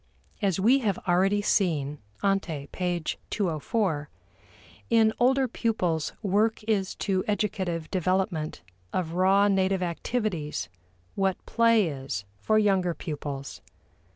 As we have already seen (ante, p. 204), in older pupils work is to educative development of raw native activities what play is for younger pupils.